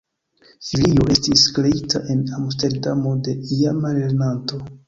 Filio estis kreita en Amsterdamo de iama lernanto.